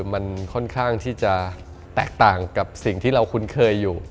มันค่อนข้างที่จะแตกต่างกับสิ่งที่เราคุ้นเคยอยู่